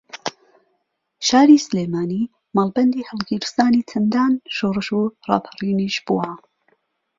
شاری سلێمانی مەڵبەندی ھەڵگیرسانی چەندان شۆڕش و ڕاپەڕینیش بووە